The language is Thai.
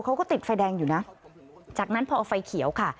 เขาก็ติดไฟแดงอยู่นะจากนั้นพอเอาไฟเขียวค่ะ